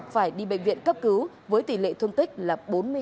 phải đi bệnh viện cấp cứu với tỷ lệ thương tích là bốn mươi năm